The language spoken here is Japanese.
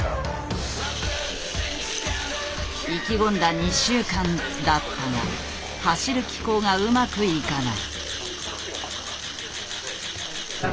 意気込んだ２週間だったが走る機構がうまくいかない。